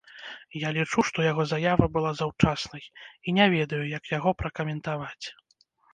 Я лічу, што яго заява была заўчаснай і не ведаю, як яго пракаментаваць.